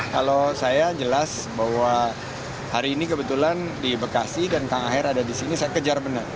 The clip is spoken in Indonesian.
kalau saya jelas bahwa hari ini kebetulan di bekasi dan kang aher ada di sini saya kejar benar